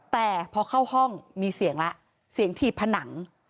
แต่พอเข้าห้องมีเสียงแล้วเสียงถีบผนัง